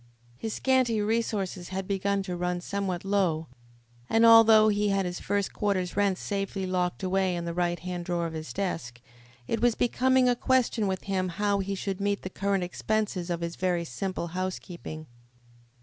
His scanty resources had begun to run somewhat low, and, although he had his first quarter's rent safely locked away in the right hand drawer of his desk, it was becoming a question with him how he should meet the current expenses of his very simple housekeeping.